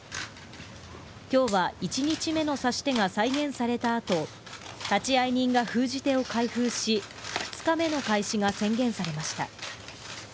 今日は一日目の指し手が再現された後立会人が封じ手を開封し二日目の開始が宣言されました。